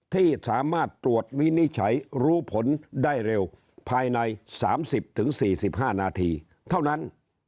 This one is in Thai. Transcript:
ที่สามารถตรวจวินิจฉัยรู้ผลได้เร็วภายใน๓๐๔๕นาทีเท่านั้น